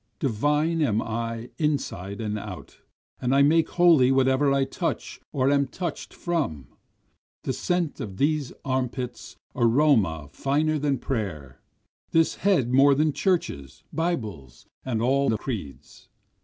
Divine am I inside and out, and I make holy whatever I touch or am touch'd from, The scent of these arm pits aroma finer than prayer, This head more than churches, bibles, and all the creeds.